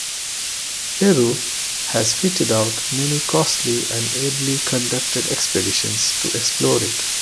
Peru has fitted out many costly and ably-conducted expeditions to explore it.